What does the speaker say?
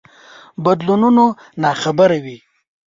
بدلونونو ناخبره وي.